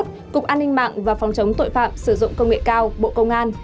trong năm hai nghìn hai mươi một cục an ninh mạng và phòng chống tội phạm sử dụng công nghệ cao bộ công an